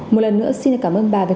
một lần nữa xin cảm ơn bà về